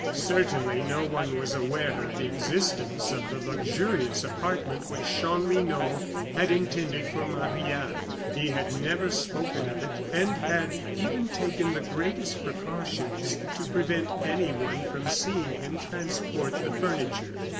Certainly no one was aware of the existence of the luxurious apartment which Chanlouineau had intended for Marie Anne. He had never spoken of it, and had even taken the greatest precautions to prevent anyone from seeing him transport the furniture.